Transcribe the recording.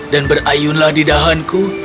dan berayunlah didahanku